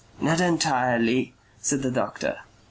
"Not entirely," said the doctor.